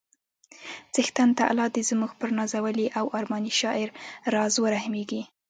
څښتن تعالی دې زموږ پر نازولي او ارماني شاعر راز ورحمیږي